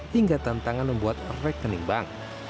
hingga tantangan membuat rekening bank